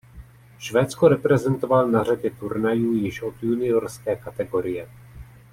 Švédsko reprezentoval na řadě turnajů již od juniorské kategorie.